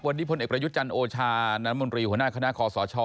วันนี้พลเอกประยุทธ์จันทร์โอชาน้ำมนตรีหัวหน้าคณะคอสช